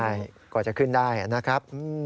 ใช่กว่าจะขึ้นได้นะครับ